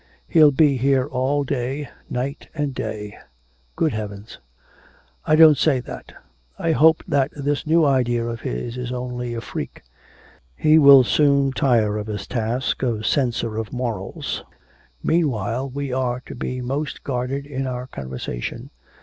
He'll be here all day, night and day. Good Heavens!' 'I don't say that. I hope that this new idea of his is only a freak. He will soon tire of his task of censor of morals. Meanwhile, we are to be most guarded in our conversation.